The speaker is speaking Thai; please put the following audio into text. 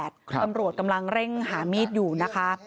ตำรวจกำลังเร่งหามีดอยู่นะคะ